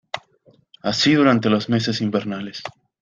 Así durante los meses invernales.